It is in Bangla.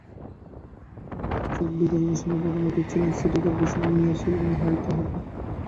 চেক বিতরণ অনুষ্ঠানের প্রধান অতিথি ছিলেন সিটি করপোরেশনের মেয়র সেলিনা হায়াৎ আইভী।